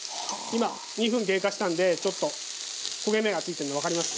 今２分経過したんでちょっと焦げ目がついてるの分かります？